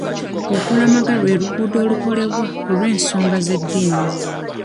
Okulamaga lwe lugendo olukolebwa ku lw'ensonga z'eddiini.